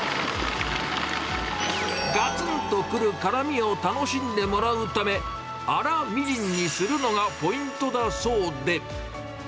がつんとくる辛みを楽しんでもらうため、粗みじんにするのがポイントだそうで。